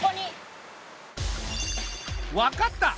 分かった！